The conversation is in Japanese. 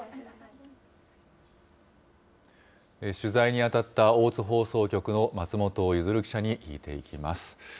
取材に当たった、大津放送局の松本弦記者に聞いていきます。